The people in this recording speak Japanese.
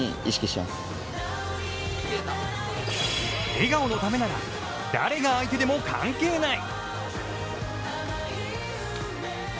笑顔のためなら誰が相手でも関係ない！